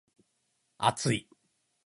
厚い